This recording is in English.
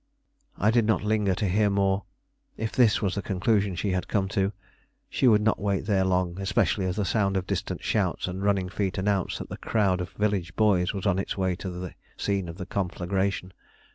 I did not linger to hear more; if this was the conclusion she had come to, she would not wait there long, especially as the sound of distant shouts and running feet announced that a crowd of village boys was on its way to the scene of the conflagration.